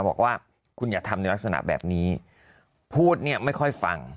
บอกว่าคุณอย่าทำในลักษณะแบบนี้พูดเนี่ยไม่ค่อยฟัง